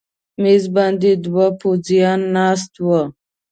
مېز باندې دوه پوځیان ناست و.